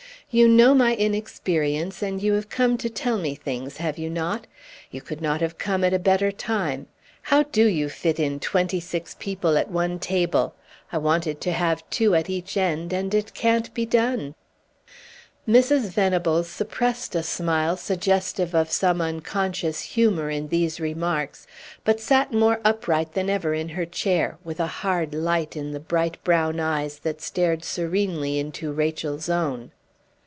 "You know my inexperience, and you have come to tell me things, have you not? You could not have come at a better time. How do you fit in twenty six people at one table? I wanted to have two at each end, and it can't be done!" Mrs. Venables suppressed a smile suggestive of some unconscious humor in these remarks, but sat more upright than ever in her chair, with a hard light in the bright brown eyes that stared serenely into Rachel's own.